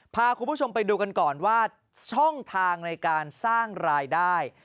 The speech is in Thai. พาคุณผู้ชมไปดูกันก่อนว่าช่องทางในการสร้างรายได้